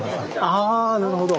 ああなるほど。